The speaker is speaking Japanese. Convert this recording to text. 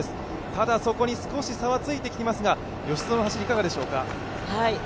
ただそこに少し差はついてきましたが、吉薗の走りいかがでしょうか？